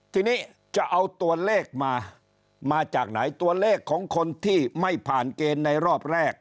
ทีนี้จะเอาตัวเลขมามาจากไหนตัวเลขของคนที่ไม่ผ่านเกณฑ์ในรอบแรก